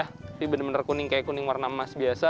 tapi benar benar kuning kayak kuning warna emas biasa